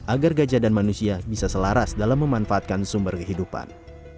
agar gajah dan manusia bisa selaras dalam memanfaatkan sumber kehidupan